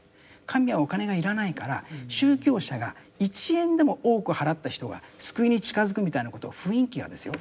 神はお金が要らないから宗教者が１円でも多く払った人が救いに近づくみたいなこと雰囲気がですよ